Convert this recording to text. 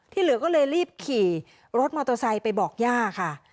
เหลือก็เลยรีบขี่รถมอเตอร์ไซค์ไปบอกย่าค่ะ